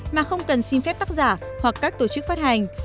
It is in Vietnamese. mà không cần xin phép tác giả hoặc các tổ chức phát hành